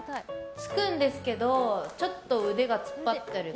つくんですけどちょっと腕が突っ張ってる感じ。